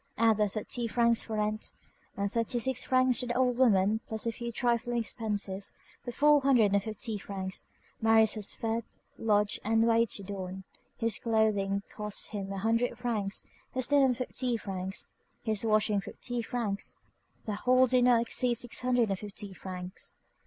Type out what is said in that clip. Add the thirty francs for rent, and the thirty six francs to the old woman, plus a few trifling expenses; for four hundred and fifty francs, Marius was fed, lodged, and waited on. His clothing cost him a hundred francs, his linen fifty francs, his washing fifty francs; the whole did not exceed six hundred and fifty francs.